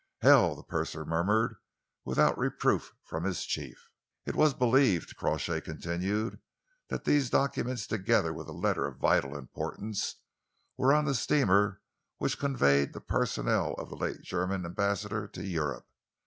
"Hell!" the purser murmured, without reproof from his chief. "It was believed," Crawshay continued, "that these documents, together with a letter of vital importance, were on the steamer which conveyed the personnel of the late German Ambassador to Europe.